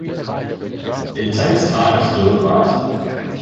It takes time to do it right.